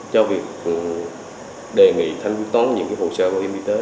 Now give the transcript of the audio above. cho việc đề nghị thanh quyết tốn những cái hồ sơ bảo hiểm y tế